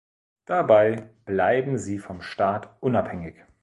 Dabei bleiben sie vom Staat unabhängig.